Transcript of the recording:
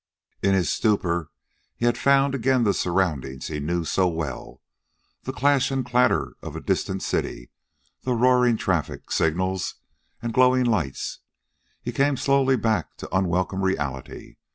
In his stupor he had found again the surroundings he knew so well the clash and clatter of a distant city the roaring traffic signals, and glowing lights. He came slowly back to unwelcome reality.